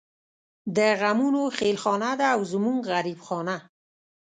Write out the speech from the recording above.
د غمونو خېلخانه ده او زمونږ غريب خانه